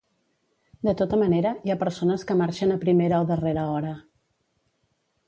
De tota manera, hi ha persones que marxen a primera o darrera hora.